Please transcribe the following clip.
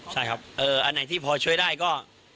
ใช่ครับอันไหนที่พอช่วยได้ก็